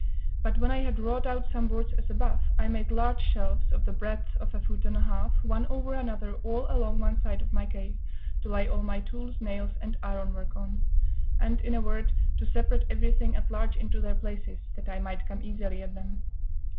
But when I had wrought out some boards as above, I made large shelves, of the breadth of a foot and a half, one over another all along one side of my cave, to lay all my tools, nails, and ironwork on; and, in a word, to separate everything at large into their places, that I might come easily at them.